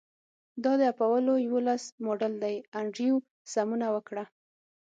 دا د اپولو یوولس ماډل دی انډریو سمونه وکړه